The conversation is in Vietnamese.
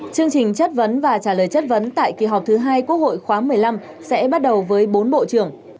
chương trình chất vấn và trả lời chất vấn tại kỳ họp thứ hai quốc hội khóa một mươi năm sẽ bắt đầu với bốn bộ trưởng